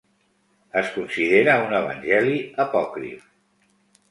Es considera un evangeli apòcrif.